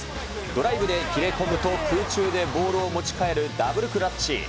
ドライブで切れ込むと空中でボールを持ち替えるダブルクラッチ。